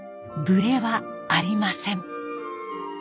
ブレはありません。